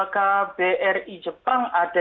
kbri jepang ada